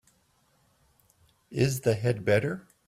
Is the head better?